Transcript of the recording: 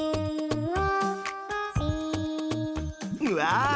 うわ！